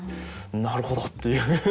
なるほど！っていう。